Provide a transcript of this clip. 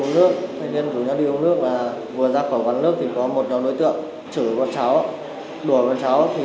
bọn cháu đi uống nước vừa ra khỏi quán nước thì có một nhóm đối tượng chửi bọn cháu đùa bọn cháu